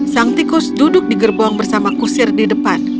sang tikus duduk di gerbong bersama kusir di depan